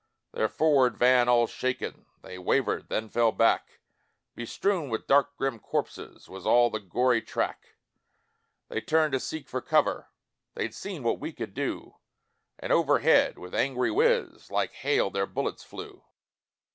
Their forward van all shaken, They wavered then fell back Bestrewn with dark grim corpses Was all the gory track: They turned to seek for cover, They'd seen what we could do, And overhead, with angry whiz, Like hail their bullets flew.